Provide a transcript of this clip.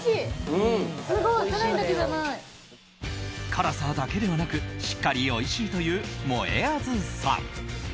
辛さだけではなくしっかりおいしいというもえあずさん。